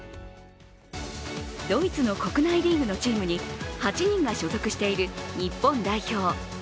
ドイツの国内リーグのチームに８人が所属している日本代表。